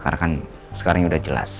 karena kan sekarang udah jelas